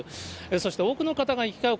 そして多くの方が行き交う